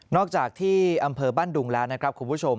อกจากที่อำเภอบ้านดุงแล้วนะครับคุณผู้ชม